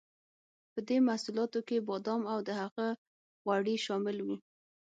په دې محصولاتو کې بادام او د هغه غوړي شامل وو.